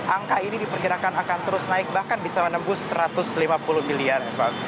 angka ini diperkirakan akan terus naik bahkan bisa menembus satu ratus lima puluh miliar